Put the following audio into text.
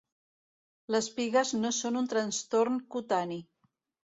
Les pigues no són un trastorn cutani.